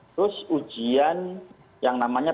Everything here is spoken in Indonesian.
terus ujian yang namanya